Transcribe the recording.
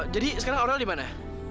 jadi sekarang aurel dimana